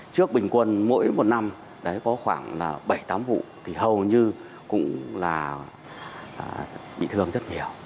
trước bình quân mỗi một năm đấy có khoảng bảy tám vụ thì hầu như cũng là bị thương rất nhiều